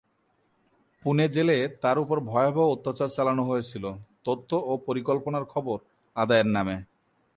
পুনে জেলে তার ওপর ভয়াবহ অত্যাচার চালানো হয়েছিল তথ্য ও পরিকল্পনার খবর আদায়ের নামে।